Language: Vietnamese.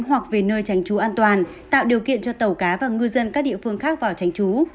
hoặc về nơi tránh trú an toàn tạo điều kiện cho tàu cá và ngư dân các địa phương khác vào tránh trú